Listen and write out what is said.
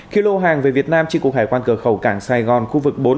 khi lô hàng về việt nam trên cục hải quan cờ khẩu cảng sài gòn khu vực bốn